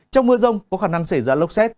trong mưa rông có khả năng xảy ra lốc xét